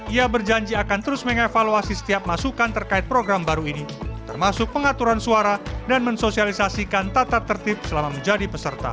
ia berjanji akan terus mengevaluasi setiap masukan terkait program baru ini termasuk pengaturan suara dan mensosialisasikan tata tertib selama menjadi peserta